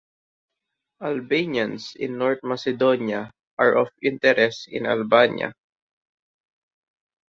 Albanians in North Macedonia are of interest to Albania.